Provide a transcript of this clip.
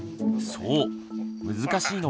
そう。